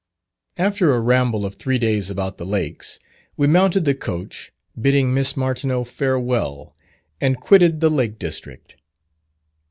After a ramble of three days about the lakes, we mounted the coach, bidding Miss Martineau farewell, and quitted the lake district.